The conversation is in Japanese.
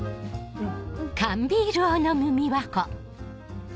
うん。